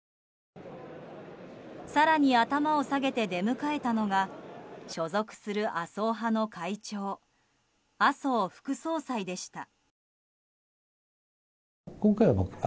更に頭を下げて出迎えたのが所属する麻生派の会長麻生副総裁でした。